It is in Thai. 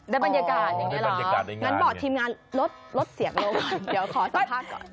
บรรยากาศอย่างนี้แหละงั้นบอกทีมงานลดเสียงลงก่อนเดี๋ยวขอสักพักก่อน